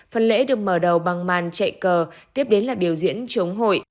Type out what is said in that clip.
phần lễ được mở đầu bằng màn chạy cờ tiếp đến là biểu diễn chống hội